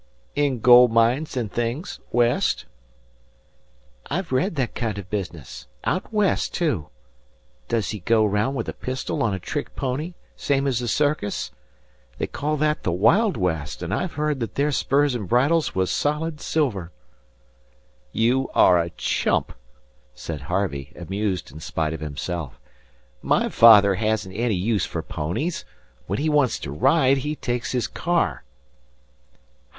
"In gold mines and things, West." "I've read o' that kind o' business. Out West, too? Does he go around with a pistol on a trick pony, same ez the circus? They call that the Wild West, and I've heard that their spurs an' bridles was solid silver." "You are a chump!" said Harvey, amused in spite of himself. "My father hasn't any use for ponies. When he wants to ride he takes his car."